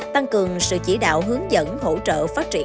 tăng cường sự chỉ đạo hướng dẫn hỗ trợ phát triển